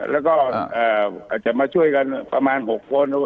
แล้วก็อาจจะมาช่วยกันประมาณ๖คน